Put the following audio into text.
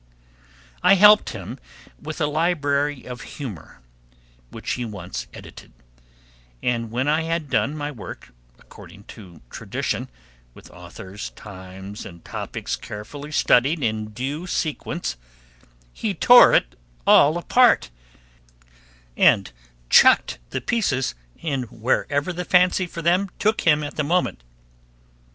] I helped him with a Library of Humor, which he once edited, and when I had done my work according to tradition, with authors, times, and topics carefully studied in due sequence, he tore it all apart, and "chucked" the pieces in wherever the fancy for them took him at the moment.